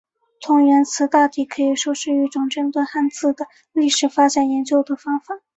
同源词大抵可以说是一种针对汉字的历史发展研究的方法。